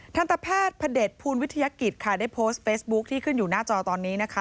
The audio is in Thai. ทันตแพทย์พระเด็จภูมิวิทยากิจค่ะได้โพสต์เฟซบุ๊คที่ขึ้นอยู่หน้าจอตอนนี้นะคะ